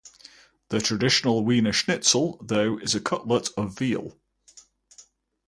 The traditional 'Wiener Schnitzel' though is a cutlet of veal.